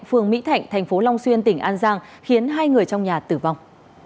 phường mỹ thạnh thành phố long xuyên tỉnh an giang khiến hai người trong nhà tử vong